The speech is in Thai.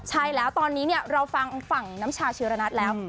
ใช่แล้วตอนนี้เราฟังฝั่งน้ำชาชีระนัทแล้ว